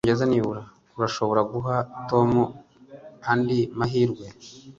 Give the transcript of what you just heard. Urashobora guha Tom andi mahirwe?